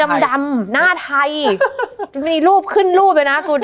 มันทำให้ชีวิตผู้มันไปไม่รอด